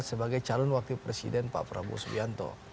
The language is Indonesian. sebagai calon wakil presiden pak prabowo subianto